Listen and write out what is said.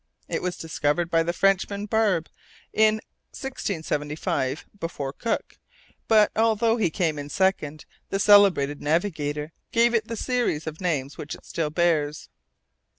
It was discovered by the Frenchman, Barbe, in 1675, before Cook; but, although he came in second, the celebrated navigator gave it the series of names which it still bears.